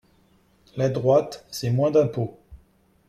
La droite, c’est moins d’impôts.